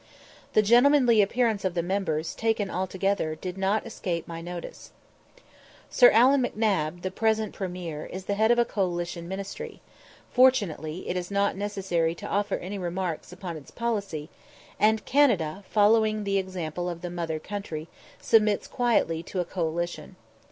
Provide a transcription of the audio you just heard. The gentlemanly appearance of the members, taken altogether, did not escape my notice. Sir Allan M'Nab, the present Premier, is the head of a coalition ministry; fortunately, it is not necessary to offer any remarks upon its policy; and Canada, following the example of the mother country, submits quietly to a coalition.